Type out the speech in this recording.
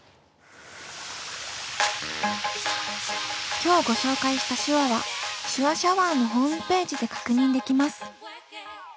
今日ご紹介した手話は「手話シャワー」のホームページで確認できます。